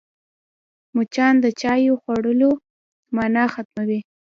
مچان د چايو خوړلو مانا ختموي